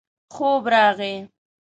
خوب راغی.